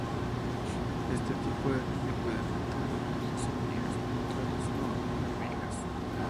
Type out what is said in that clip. Este tipo de daño puede afectar a fuerzas amigas, neutrales o aún enemigas.